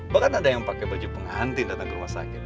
bahkan ada yang pake baju penghantin dateng ke rumah sakit